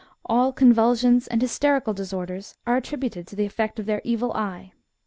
All convulsions and hysterical disorders are attributed to the effect of their evil eye.